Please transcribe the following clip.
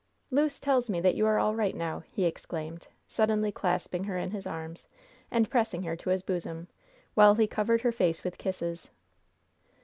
"Luce tells me that you are all right now!" he exclaimed, suddenly clasping her in his arms and pressing her to his bosom, while he covered her face with kisses.